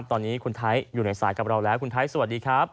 ตอนนี้คุณไทยอยู่ในสายกับเราแล้วคุณไทยสวัสดีครับ